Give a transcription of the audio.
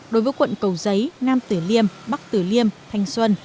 đối với quận cầu giấy nam tử liêm bắc tử liêm thanh xuân